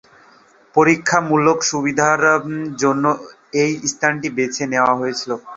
প্রতিরক্ষামূলক সুবিধার জন্য এই স্থানটি বেছে নেওয়া হয়েছিল।